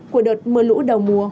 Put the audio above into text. của đợt mưa lũ đầu mùa